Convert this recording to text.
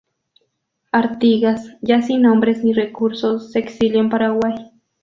Artigas, ya sin hombres ni recursos, se exilió en Paraguay.